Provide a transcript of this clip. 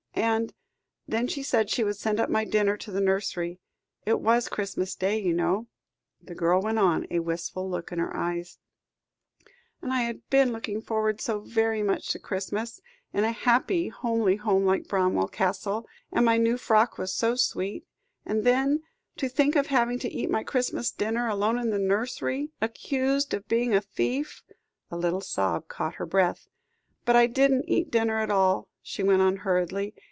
And then she said she would send up my dinner to the nursery. It was Christmas Day, you know," the girl went on, a wistful look in her eyes; "and I had been looking forward so very much to Christmas, in a happy homely home like Bramwell Castle; and my new frock was so sweet; and then to think of having to eat my Christmas dinner alone in the nursery, accused of being a thief," a little sob caught her breath. "But I didn't eat the dinner at all," she went on hurriedly.